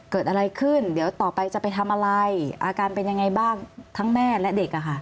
เกิดอะไรขึ้นเดี๋ยวต่อไปจะไปทำอะไรอาการเป็นยังไงบ้างทั้งแม่และเด็กอะค่ะ